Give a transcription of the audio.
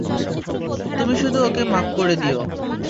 তুমি শুধু ওকে মাপ দিয়ে দাও।